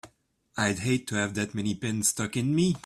I'd hate to have that many pins stuck in me!